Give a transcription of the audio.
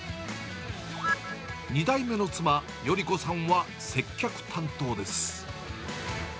２代目の妻、依子さんは接客担当です。